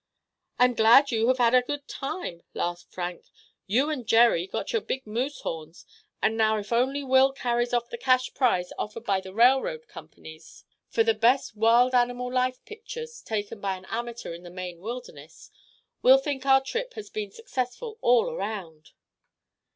"I'm glad you have had a good time," laughed Frank. "You and Jerry got your big moose horns; and now if only Will carries off the cash prize offered by the railroad companies for the best wild animal life pictures taken by an amateur in the Maine wilderness, we'll think our trip has been successful all around."